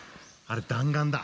あれ弾丸だ